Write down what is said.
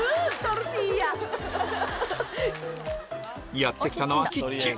やって来たのはキッチン